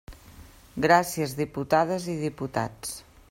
Gràcies, diputades i diputats.